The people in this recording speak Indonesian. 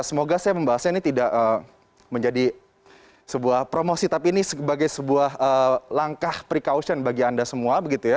semoga saya membahasnya ini tidak menjadi sebuah promosi tapi ini sebagai sebuah langkah precaution bagi anda semua begitu ya